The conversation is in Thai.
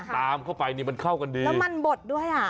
ตามเข้าไปนี่มันเข้ากันดีแล้วมันบดด้วยอ่ะ